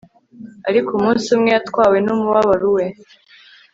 ariko umunsi umwe, yatwawe numubabaro we